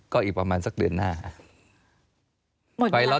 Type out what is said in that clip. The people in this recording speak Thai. ก็อีกประมาณสักเดือนหน้าครับ